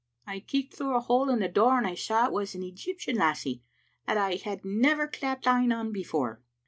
I keeked through a hole in the door, and I saw it was an Egyptian lassie 'at I had never clapped een on afore.